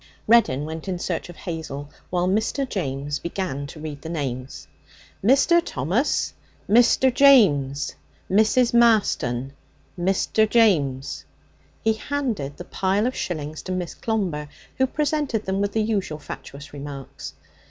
Reddin went in search of Hazel, while Mr. James began to read the names. 'Mr. Thomas. Mr. James. Mrs. Marston. Mr. James ' He handed the pile of shillings to Miss Clomber, who presented them with the usual fatuous remarks.